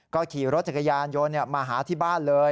ก็ขี่รถจักรยานยนต์มาหาที่บ้านเลย